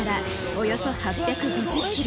およそ８５０ｋｍ